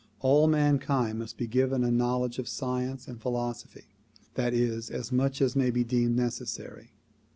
All man kind must be given a knowledge of science and philosophy; that is, as much as may be deemed necessary.